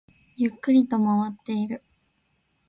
ゆっくりと回っている